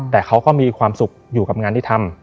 แต่เขาก็มีความสุขอยู่กับงานที่ทำ